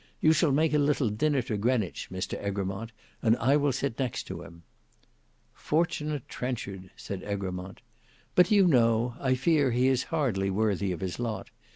"You shall make a little dinner to Greenwich, Mr Egremont, and I will sit next to him." "Fortunate Trenchard!" said Egremont. "But do you know I fear he is hardly worthy of his lot.